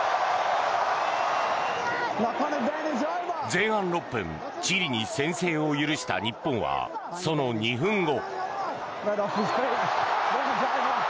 前半６分、チリに先制を許した日本はその２分後。